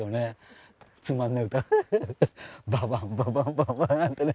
「ババンババンバンバン」なんてね。